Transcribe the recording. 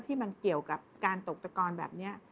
ที่มันเกี่ยวกับการตกตะกอนแบบนี้